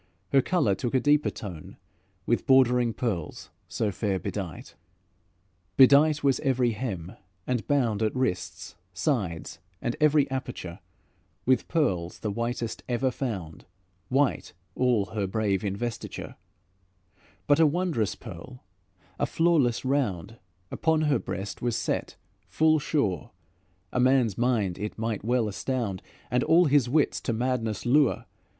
Her colour took a deeper tone With bordering pearls so fair bedight. Bedight was every hem, and bound, At wrists, sides, and each aperture, With pearls the whitest ever found, White all her brave investiture; But a wondrous pearl, a flawless round, Upon her breast was set full sure; A man's mind it might well astound, And all his wits to madness lure.